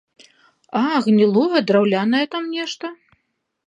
А, гнілое драўлянае там нешта?